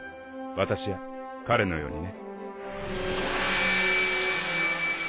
私や彼のようにね。